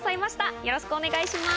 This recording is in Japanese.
よろしくお願いします。